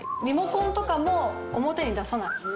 リモコンとかも表に出さない。